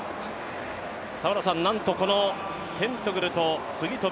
なんとこのテントグルと次跳ぶ